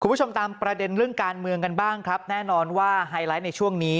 คุณผู้ชมตามประเด็นเรื่องการเมืองกันบ้างครับแน่นอนว่าไฮไลท์ในช่วงนี้